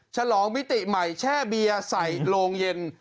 ฉลองมิติใหม่แช่เบียร์ใส่โรงเย็น